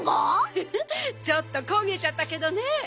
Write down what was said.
フフッちょっとこげちゃったけどね。